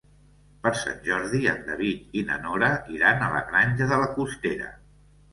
Per Sant Jordi en David i na Nora iran a la Granja de la Costera.